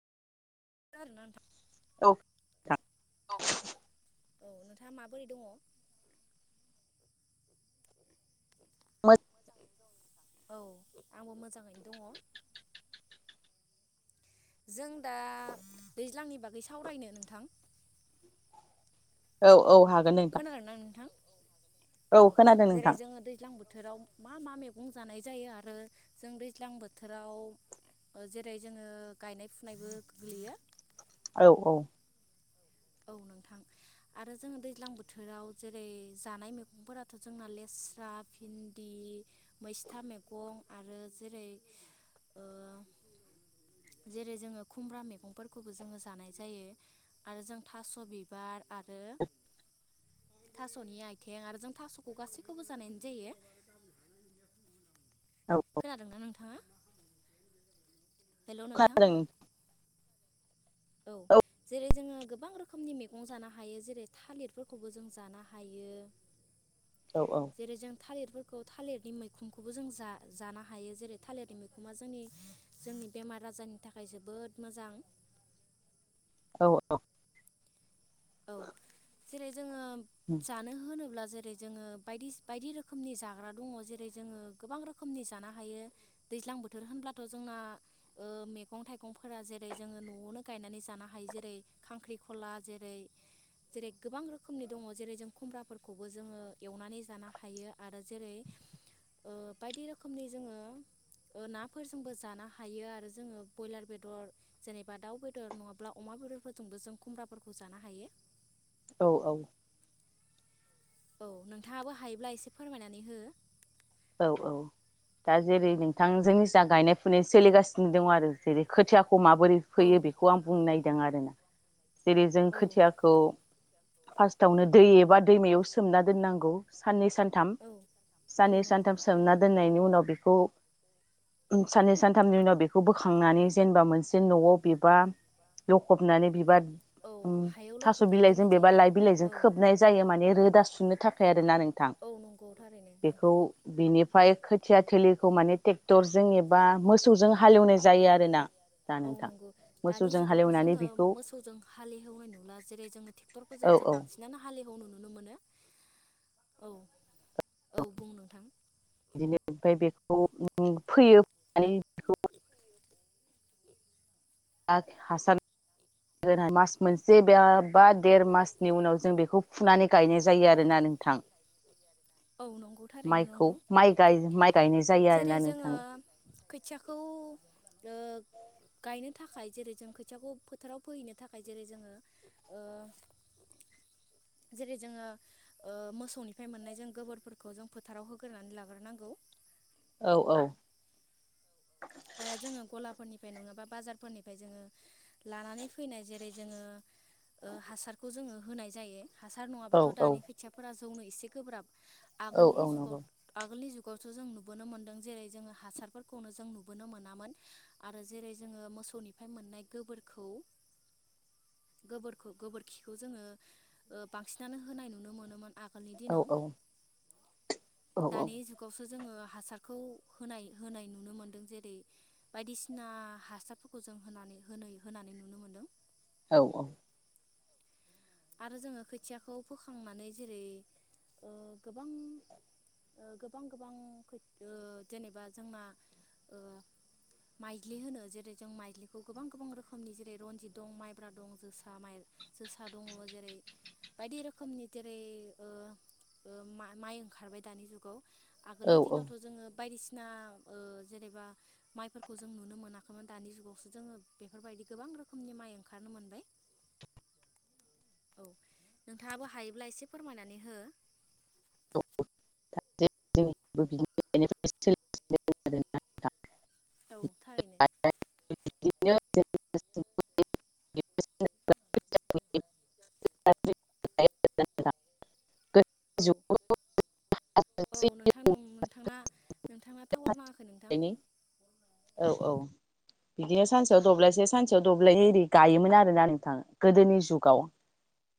औ औ औ नोंथाङा माबोरै दङ? [unintelligible] औ आंबो मोजाङैनो दङ। जों दा दैज्लांनि बागै सावरायनो नोंथां। औ। औ हागोन नोंथां खोनादोंना नोंथां? औ खोनादों जेरै नोंथां जोङो दैज्लां बोथोराव मा मा मैगं जानाय जायो आरो जों दैज्लां बोथोराव जेरै जोङो गायनाय फुनायबो गोग्लैयो औ औ औ नोंथां आरो जोङो दैज्लां बोथोराव जेरै जानाय मैगंफोराथ' जोंना लेस्रा भिन्दि मैस्था मैगं आरो जेरै जेरै जोङो खुमब्रा मैगंफोरखौबो जोङो जानाय जायो आरो जों थास' बिबार आरो थास'नि आथिं आरो जों थास'खौ गासैखौबो जानाय जायो औ औ खोनादोंना नोंथाङा हेल' खा [unintelligible] नोंथां दों औ जेरै जोङो गोबां रोखोम रोखोमनि मैगं जानो हायो जेरै थालिरफोरखौबो जों जानो हायो औ औ जेरै जों थालिरफोरखौ थालिरनि मैखुनखौबो जों जानो हायो जेरै थालिरनि मैखुना जोंनि जोंनि बेमार आजारनि थाखाय जोबोद मोजां औ औ औ जेरै जोङो जानो होनोब्ला जेरै जोङो बायदि बायदि रोखोमनि जाग्रा दङ जेरै जोङो गोबां रोखोमनि जानो हायो दैज्लां बोथोर होनब्लाथ' जोंना मैगं थाइगंफोरा जेरै जोङो न'आवनो गायनानै जानो हायो जेरै खांख्रिखला जेरै जेरै गोबां रोखोमनि दङ जेरै जों खुम्ब्राफोरखौबो जोङो एवनानै जानो हायो आरो जेरै बायदि रोखोमनि जोङो नाफोरजोंबो जानो हायो आरो जोङो ब्रयलार बेदर जेनेबा दाउ बेदर नङाब्ला अमा बेदरफोरजोंबो जों खुमब्राफोरखौ जानो हायो औ औ औ नोंथाङाबो हायोब्ला एसे फोरमायनानै हो औ औ दा जेरै नोंथांजोंनि जा गायनाय फुनाय सोलिगासिनो दं आरो जेरै खोथिया खौ माबोरै औ फैयो बेखौ आं बुंनो नायदों आरोना जेरै जों औ खोथियाखौ फार्स्टआवनो दै एबा दैमायाव सोमना दोननांगौ साननै सानथाम औ औ सानै सान नंगौ सोमना थारैनो दोननायनि उनाव बेखौ साननै सानथामनि उनाव बेखौ बोखांनानै जेनेबा मोनसे न'आव बिबा लखबनानै बिबार औ उ हायाव थास' लखबनानै बिलाइजों दोननाय बेबा जायो लाइ बिलाइजों औ खोबनाय जायो माने रोदा सुनो थाखाय आरोना नोंथां औ नंगौ थारैनो बेखौ नोंथां बिनिफ्राय खोथिया थोलिखौ माने ट्रेक्टरजों एबा मोसौजों हालेवनाय जायो आरोना दा औ नोंथां नंगौ दानि मोसौजों जुगावथ' हालेवनानै जोङो बेखौ मोसौजों हालेवनाय नुला जेर जोट्रेक्टरखौ औ जोंसो औ बांसिनानो हालि फालि हेवनाय नुनो मोनो औ औ बुं नोंथां बिदिनो ओमफ्राय बेखौ फैयो [unintelligible] हासार मास मोनसे बा देर मासनि उनाव जों बेखौ फुनानै गायनाय जायो आरोना नोंथां औ नंगौ थारैनो माइखौ नंगौ माइ माइ गायनाय जायो जेरै आरोना जोङो नोंथाङा खोथियाखौ ओ गायनो थाखाय जेरै जों खोथियाखौ फोथाराव फोहैनो थाखाय जेरै जोङो जेरै जोङो ओ मोसौनिफ्राय मोननाय जों गोबोरफोरखौ जों फोथाराव होग्रोनानै लाग्रोनांगौ औ औ आरो जोङो गलाफोरनिफ्राय नङाबा बाजारफोरनिफ्राय जोङो लानानै फैनाय जेरै जोङो ओ हासारखौ जोङो होनाय जायो हासार औ नङाबाथ' औ दानि खोथियाफोरा ज सौनो एसे गोब्राब। औ आगोलनि औ नंगौ जुगाव आगोलनि जुग थ' जों नुबोनो मोन्दों जेरै जोङो हासारफोरखौनो जों नु बोनो मोनामोन आरो जेरै जोङो मोसौनिफ्राय मोननाय गोखौ गो गोबोरखिखौ जोङो ओ बांसिनानो होनाय नुनो मोनोमोन। आगोलनि औ दिनाव। औ दानि जुगावसो। जोङो हासारखौ होनाय होनाय नुनो मोनदों जे दैदै बायदिसिना हासारफोरखौ जों होनानै होनै होनानै नुनो मोन्दों। औ औ आरो जोङो खोथियाखौ फोखांनानै जेरै ओ गोबां गोबां गोबां जेनेबा ओ जोंना ओ माइज्लि होनो जेरै जों माइज्लिखौ गोबां गोबां रोखोमनि जेरै रनजित दं माइब्रा दं जोसा जोसा दं। दङ जेरै बायदि रोखोमनि जेरै ओ ओ माइ ओंखारबाय दानि जुगाव औ आगोलनि औ दिनावथ' जोङो बायदिसिना सिना जेनेबा माइफोरखौ जों नुनो मोनाखैमोन दानि जुगावसो जोङो बेफोरबायदि गोबां रोखोमनि माइ ओंखारनो मोनबाय। औ नोंथाङाबो हायोब्ला एसे फोरमायनानै हो। [unintelligible] औ थारैनो। [unintelligible] औ औ नोंथां नोंथांना नोंथां टावार नाङाखै नोंथां। बिदिनो औ औ बिदिनो सानसेयाव दब्लायसे सानसेयाव दब्लायनै एगायोमोन आरोना नोंथां गोदोनि जुगाव।